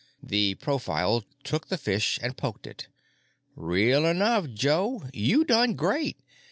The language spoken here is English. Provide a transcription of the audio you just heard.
The profile took the fish and poked it. "Real enough, Joe. You done great.